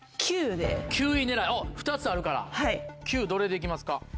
９位狙い２つあるから９位どれで行きますか？